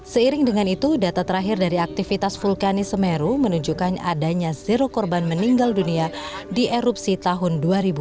seiring dengan itu data terakhir dari aktivitas vulkanis semeru menunjukkan adanya zero korban meninggal dunia di erupsi tahun dua ribu dua puluh